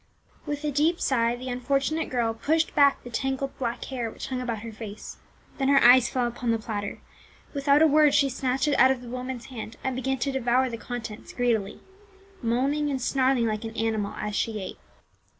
With a deep sigh the unfortunate girl pushed back the tangled black hair which hung about her face, then her eyes fell upon the platter ; without a word she snatched it out of the woman's hand and began to devour the contents greedily, moaning and snarling like an animal as she ate.